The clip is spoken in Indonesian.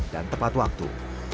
dan tepat waktu